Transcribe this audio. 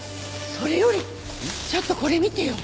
それよりちょっとこれ見てよ！